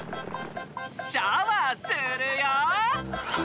シャワーするよ！